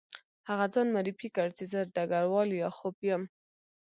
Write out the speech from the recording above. هغه ځان معرفي کړ چې زه ډګروال لیاخوف یم